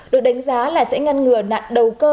được đánh giá là sẽ ngăn ngừa nạn đầu cơ